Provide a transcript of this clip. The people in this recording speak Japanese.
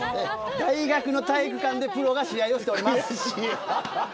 大学の体育館でプロが試合をしています。